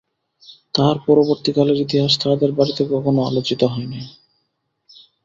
তাহার পরবর্তীকালের ইতিহাস তাহাদের বাড়িতে কখনো আলোচিত হয় নাই।